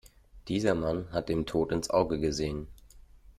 Dieser Mann hat dem Tod ins Auge gesehen.